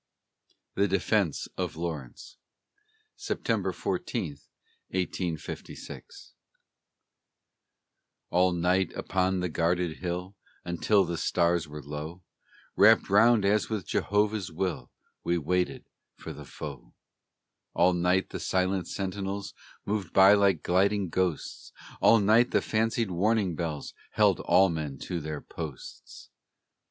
THE DEFENCE OF LAWRENCE [September 14, 1856] All night upon the guarded hill, Until the stars were low, Wrapped round as with Jehovah's will, We waited for the foe; All night the silent sentinels Moved by like gliding ghosts; All night the fancied warning bells Held all men to their posts.